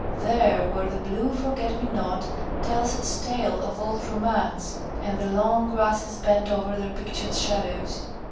There, where the blue forget me not tells its tale of old romance, and the long grasses bend over their pictured shadows.